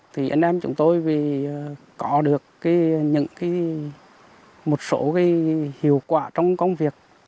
thì anh em chúng tôi có được một số hiệu quả trong công việc